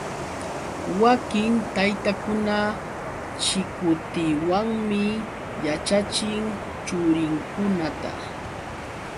Wakin taytakuna chikutiwanmi yaćhachin churinkunata.